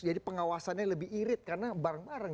jadi pengawasannya lebih irit karena bareng bareng